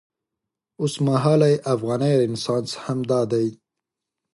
اوسمهالی افغاني رنسانس همدا دی.